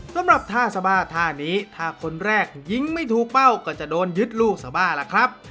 สำหรับท่าสบาท่านี้ถ้าคนแรกยิงไม่ถูกเป้าก็จะโดนยึดลูกสบาล่ะครับ